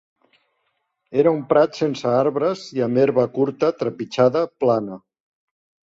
Era un prat sense arbres i amb herba curta, trepitjada, plana